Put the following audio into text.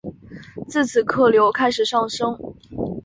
自此客流开始上升。